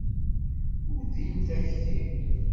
Ur din takti.